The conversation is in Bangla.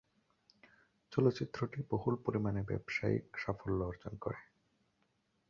চলচ্চিত্রটি বহুল পরিমাণে ব্যবসায়িক সাফল্য অর্জন করে।